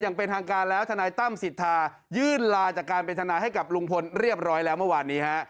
อย่างเป็นทางการแล้วทนายตั้มสิทธายื่นลาจากการเป็นทนายให้กับลุงพลเรียบร้อยแล้วเมื่อวานนี้ฮะ